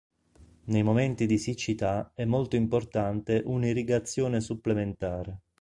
Nei momenti di siccità è molto importante un'irrigazione supplementare.